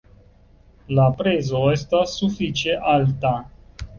La prezo estas sufiĉe alta.